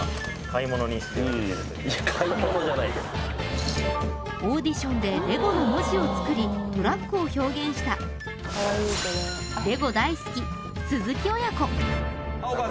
うんいや買い物じゃないけどねオーディションで「ＬＥＧＯ」の文字を作りトラックを表現したレゴ大好き鈴木親子・あっ